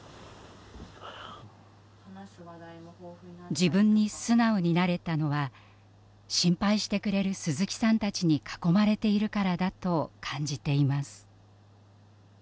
自分に素直になれたのは心配してくれる鈴木さんたちに囲まれているからだと感じています。